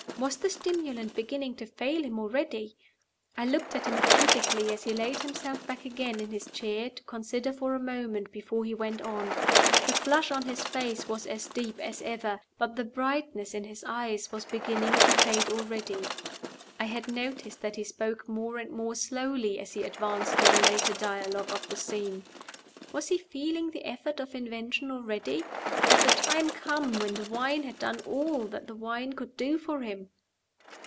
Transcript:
Was the stimulant beginning to fail him already? I looked at him attentively as he laid himself back again in his chair to consider for a moment before he went on. The flush on his face was as deep as ever; but the brightness in his eyes was beginning to fade already. I had noticed that he spoke more and more slowly as he advanced to the later dialogue of the scene. Was he feeling the effort of invention already? Had the time come when the wine had done all that the wine could do for him?